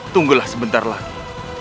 tunggulah sebentar lagi